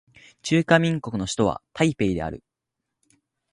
中華民国の首都は台北である